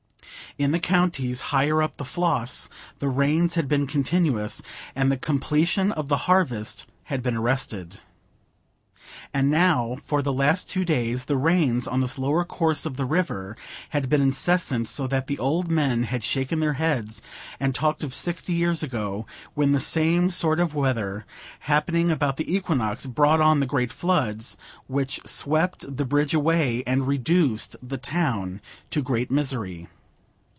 In the counties higher up the Floss the rains had been continuous, and the completion of the harvest had been arrested. And now, for the last two days, the rains on this lower course of the river had been incessant, so that the old men had shaken their heads and talked of sixty years ago, when the same sort of weather, happening about the equinox, brought on the great floods, which swept the bridge away, and reduced the town to great misery.